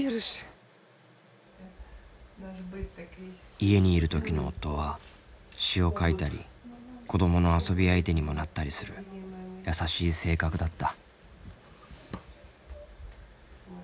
家にいる時の夫は詩を書いたり子供の遊び相手にもなったりする優しい性格だった。